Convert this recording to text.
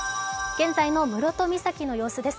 現在の室戸岬の様子です。